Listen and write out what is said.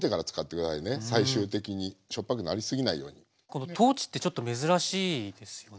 この豆ってちょっと珍しいですよね？